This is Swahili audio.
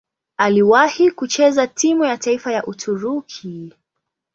Aliwahi kucheza timu ya taifa ya Uturuki.